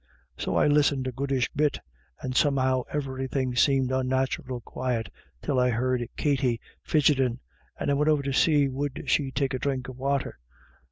So I listened a goodish bit, and somehow everythin' seemed unnathural quite, till I heard Katty fidgettin', and I went over to see would she take a dhrink of wather.